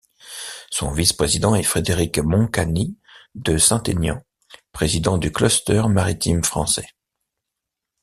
Son vice-président est Frédéric Moncany de Saint-Aignan, président du Cluster Maritime Français.